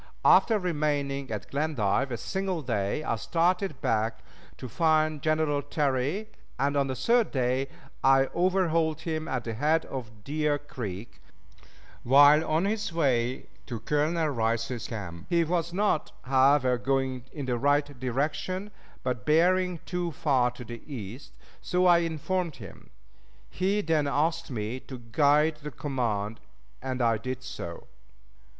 After remaining at Glendive a single day, I started back to find General Terry, and on the third day I overhauled him at the head of Deer Creek, while on his way to Colonel Rice's camp. He was not, however, going in the right direction, but bearing too far to the east, and so I informed him. He then asked me to guide the command, and I did so.